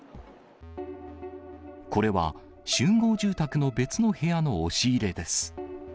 これは、集合住宅の別の部屋の押し入れです。